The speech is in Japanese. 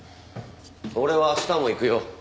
俺は明日も行くよ。